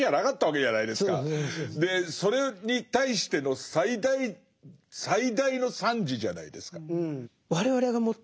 それに対しての最大最大の賛辞じゃないですか。